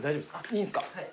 いいんですか？